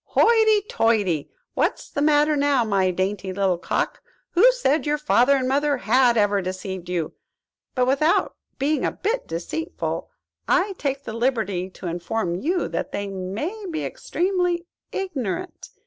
"Hoity, toity! what's the matter now, my dainty little cock? Who said your father and mother had ever deceived you? But, without being a bit deceitful, I take the liberty to inform you that they may be extremely ignorant.